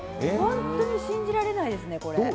本当に信じられないですね、これ。